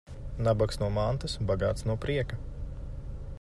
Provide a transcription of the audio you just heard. Nabags no mantas, bagāts no prieka.